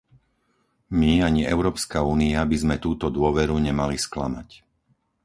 My ani Európska únia by sme túto dôveru nemali sklamať.